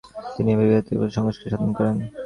তিনি এই বিহারের প্রভূত সংস্কার সাধন করেন।